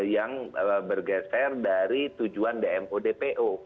yang bergeser dari tujuan dmo dpo